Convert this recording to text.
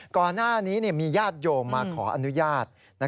ก่อนหน้านี้มีญาติโยมมาขออนุญาต